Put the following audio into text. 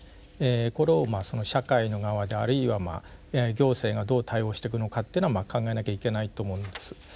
これを社会の側であるいは行政がどう対応していくのかっていうのは考えなきゃいけないと思うんです。